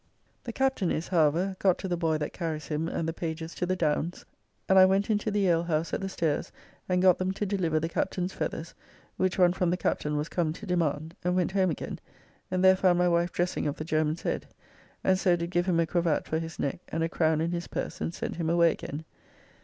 ] The Captain is, however, got to the boy that carries him and the pages to the Downs, and I went into the alehouse at the Stayres and got them to deliver the Captain's feathers, which one from the Captain was come to demand, and went home again, and there found my wife dressing of the German's head, and so did [give] him a cravett for his neck, and a crown in his purse, and sent him away again.